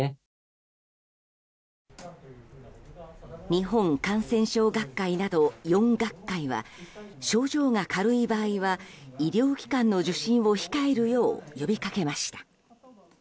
日本感染症学会など４学会は症状が軽い場合は医療機関の受診を控えるよう呼びかけました。